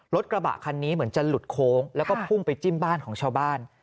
รถกระบะคันนี้เหมือนจะหลุดโค้งแล้วก็พุ่งไปจิ้มบ้านของชาวบ้าน